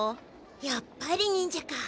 やっぱり忍者か。